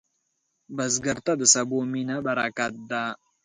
بزګر ته د سبو مینه برکت ده